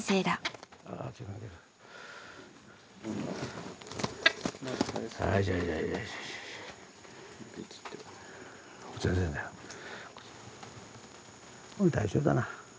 もう大丈夫だな。